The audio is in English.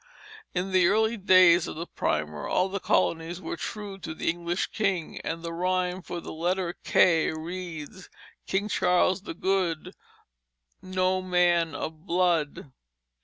In the early days of the Primer, all the colonies were true to the English king, and the rhyme for the letter K reads: "King Charles the Good No man of blood."